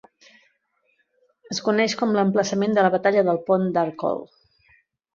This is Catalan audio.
Es coneix com l'emplaçament de la Batalla del pont d'Arcole.